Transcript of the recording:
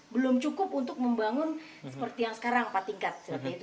belum cukup untuk membangun seperti yang sekarang empat tingkat